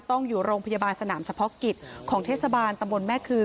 ต้องอยู่โรงพยาบาลสนามเฉพาะกิจของเทศบาลตำบลแม่คือ